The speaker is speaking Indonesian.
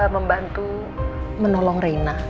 membantu menolong reina